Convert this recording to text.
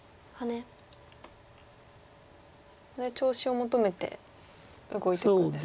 ここで調子を求めて動いていくんですか。